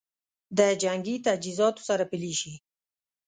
د جنګي تجهیزاتو سره پلي شي